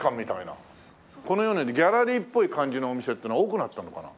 このようなギャラリーっぽい感じのお店っていうのは多くなったのかな？